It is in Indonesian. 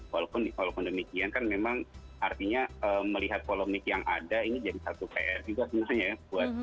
walaupun demikian kan memang artinya melihat polemik yang ada ini jadi satu pr juga sebenarnya ya